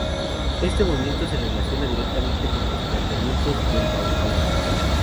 Este movimiento se relaciona directamente con los planteamientos de la Bauhaus.